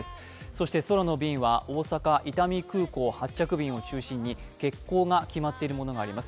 そして空の便は大阪・伊丹空港発着便を中心に欠航が決まっているものがあります。